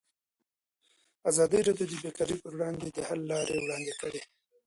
ازادي راډیو د بیکاري پر وړاندې د حل لارې وړاندې کړي.